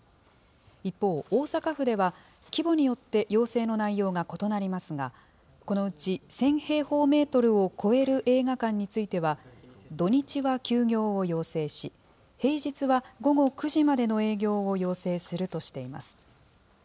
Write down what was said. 一方、大阪府では規模によって要請の内容が異なりますが、このうち１０００平方メートルを超える映画館については、土日は休業を要請し、平日は午後９時までの営業を要請するとしています。